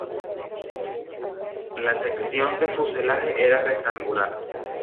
La sección del fuselaje, era rectangular.